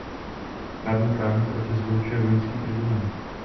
Řádný právní proces vylučuje vojenský tribunál.